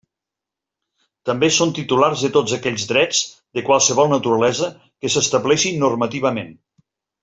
També són titulars de tots aquells drets, de qualsevol naturalesa, que s'estableixin normativament.